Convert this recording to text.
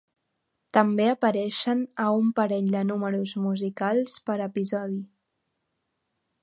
També apareixen a un parell de números musicals per episodi.